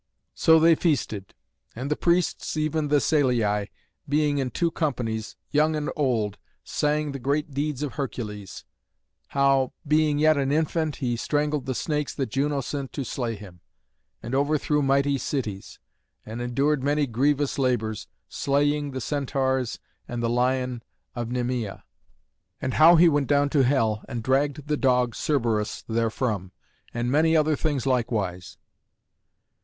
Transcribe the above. ] So they feasted; and the priests, even the Salii, being in two companies, young and old, sang the great deeds of Hercules: how, being yet an infant, he strangled the snakes that Juno sent to slay him, and overthrew mighty cities, and endured many grievous labours, slaying the Centaurs and the lion of Nemea; and how he went down to hell, and dragged the dog Cerberus therefrom, and many other things likewise.